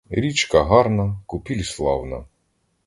Річка гарна, купіль славна.